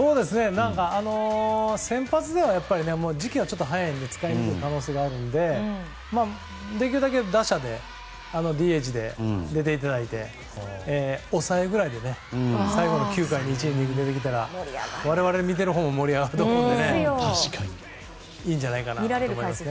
先発ではやっぱり時期がちょっと早いので使いにくい可能性があるのでできるだけ打者でＤＨで出ていただいて抑えぐらいで最後の９回の１イニング出てきたら我々、見てるほうも盛り上がると思うのでいいんじゃないかなと思います。